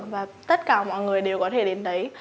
và tất cả mọi người đều có thể đến đấy